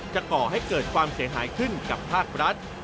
ก่อให้เกิดความเสียหายขึ้นกับภาครัฐ